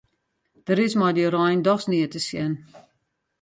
Der is mei dy rein dochs neat te sjen.